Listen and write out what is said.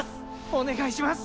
お願いします！